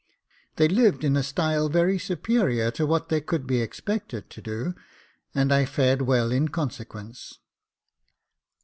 They lived in a style very superior to what they could be expected to do, and I fared well in consequence.